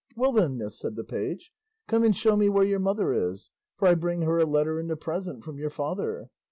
"Well then, miss," said the page, "come and show me where your mother is, for I bring her a letter and a present from your father."